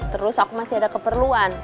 terus aku masih ada keperluan